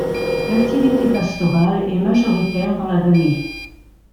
L'activité pastorale est majoritaire dans la vallée.